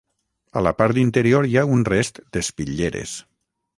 A la part interior hi ha un rest d'espitlleres.